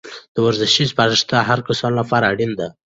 د ورزش سپارښتنه د هرو کسانو لپاره اړینه ده.